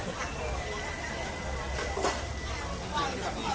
สวัสดีทุกคน